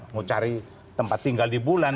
mau cari tempat tinggal di bulan